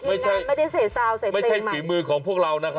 ไม่ใช่เสร็จสาวเสร็จเปล่างไมไม่ใช่ฝีมือของพวกเรานะครับ